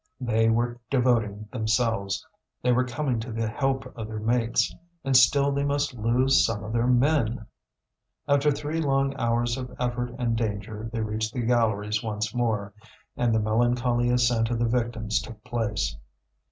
They were devoting themselves, they were coming to the help of their mates, and still they must lose some of their men! After three long hours of effort and danger they reached the galleries once more, and the melancholy ascent of the victims took place.